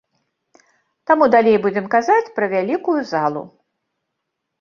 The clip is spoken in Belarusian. Таму далей будзем казаць пра вялікую залу.